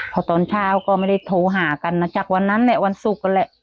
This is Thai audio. พอตอนเช้าก็ไม่ได้โทรหากันนะจากวันนั้นแหละวันศุกร์นั่นแหละ